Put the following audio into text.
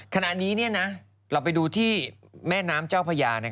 ขณะนี้เราไปดูที่แม่น้ำเจ้าพญา